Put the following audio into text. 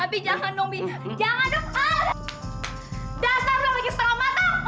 adik juga gak perbohongan sundel